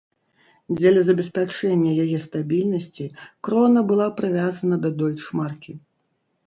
Дзеля забеспячэння яе стабільнасці крона была прывязана да дойчмаркі.